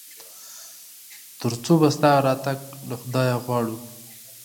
تر څو به ستا راتګ له خدايه غواړو ؟